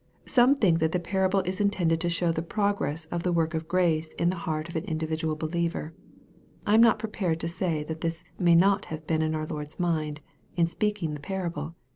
Some think that the parable is intended to show the progress of the work of grace in the heart of an individual believer. I am not prepared to say that this may not have been in our Lord's mind, in speaking the parable.